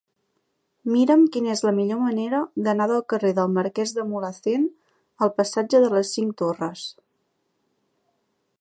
Mira'm quina és la millor manera d'anar del carrer del Marquès de Mulhacén al passatge de les Cinc Torres.